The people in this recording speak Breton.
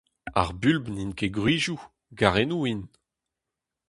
Ar bulb n'int ket gwrizioù, garennoù int.